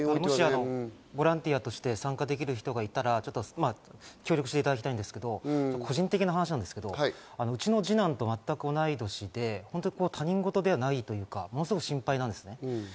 ボランティアとして、もし参加できる方がいるとしたら協力していただきたいんですけど、個人的な話ですけど、うちの二男と全く同い年で、他人事ではないというか、ものすごく心配なんですね。